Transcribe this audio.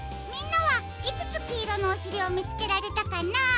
みんなはいくつきいろのおしりをみつけられたかな？